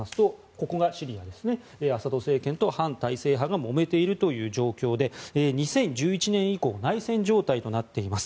ここがシリアでアサド政権と反体制派がもめている状況で２０１１年以降内戦状態となっています。